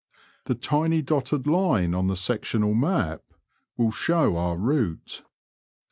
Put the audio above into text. The tiny dotted line on the sectional map (at page 50) will show our route.